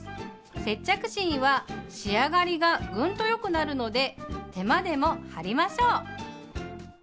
接着芯は仕上がりがグンとよくなるので手間でも貼りましょう。